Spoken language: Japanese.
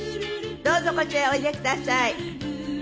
どうぞこちらへおいでください。